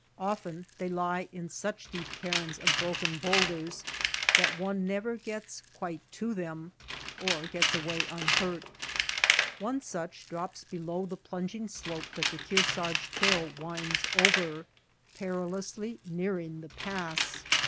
Of ten they lie in such deep cairns of broken boulders that one never gets quite to them, or gets away unhurt. One such drops be low the plunging slope that the Kearsarge trail winds over, perilously, nearing the pass.